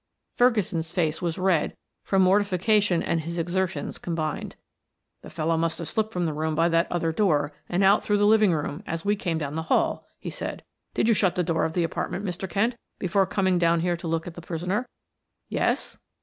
Ferguson's face was red from mortification and his exertions combined. "The fellow must have slipped from the room by that other door and out through the living room as we came down the hall," he said. "Did you shut the door of the apartment, Mr. Kent, before coming down here to look at the prisoner?" "Yes."